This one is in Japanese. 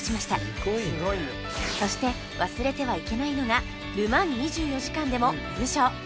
そして忘れてはいけないのがル・マン２４時間でも優勝